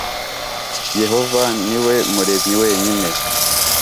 Yehova ni we Muremyi wenyine